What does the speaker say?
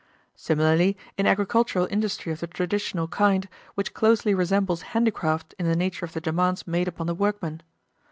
Similarly in agricultural industry of the traditional kind, which closely resembles handicraft in the nature of the demands made upon the workman.